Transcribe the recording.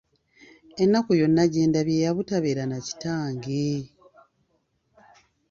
Ennaku yonna gye ndabye ya butaba na kitange!